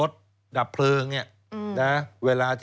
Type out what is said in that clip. สวัสดีครับคุณผู้ชมค่ะต้อนรับเข้าที่วิทยาลัยศาสตร์